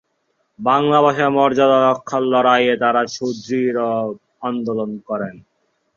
বাংলা ভাষার মর্যাদা রক্ষার লড়াইয়ে তারা সুদৃঢ় আন্দোলন করেন।